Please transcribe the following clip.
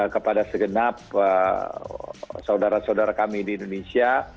kepada segenap saudara saudara kami di indonesia